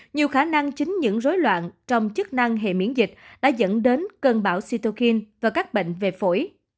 nhiều khả năng chính những rối loạn trong chức năng hệ miễn dịch đã dẫn đến cơn bão sitokin và các bệnh về phổi